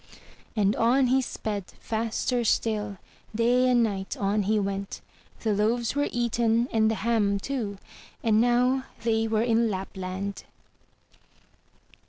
*' And on he sped faster still, — day and night on he went. The loaves were eaten, and the ham too, and now they were in Lapland.